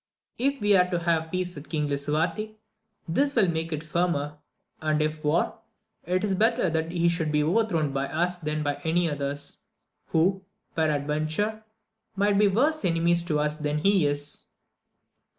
If we are to have peace with King Lisuarte this will make it firmer ; and if war, it is better that he should be overthrown by us than by others, who, peradventure, might be worse enemies to us than he is.